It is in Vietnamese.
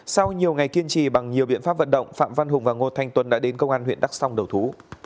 sau nhiều ngày kiên trì bằng nhiều biện pháp vận động phạm văn hùng và ngô thanh tuấn đã đến công an huyện đắk song đầu thú